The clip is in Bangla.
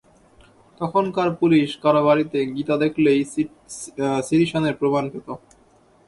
তখনকার পুলিস কারও বাড়িতে গীতা দেখলেই সিডিশনের প্রমাণ পেত।